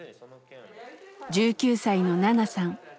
１９歳のナナさん。